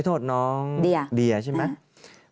โทษน้องเดียใช่ไหม